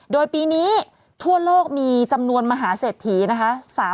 โดยปีนี้ทั่วโลกมีจำนวนมหาเศรษฐีนะคะ